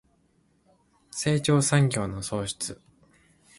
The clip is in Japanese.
成長産業の創出